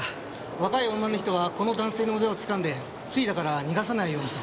若い女の人がこの男性の腕をつかんでスリだから逃がさないようにと。